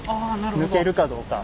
抜けるかどうか。